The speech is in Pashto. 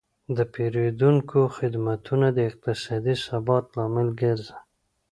د پیرودونکو خدمتونه د اقتصادي ثبات لامل ګرځي.